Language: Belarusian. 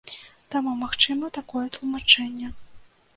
Таму магчыма такое тлумачэнне.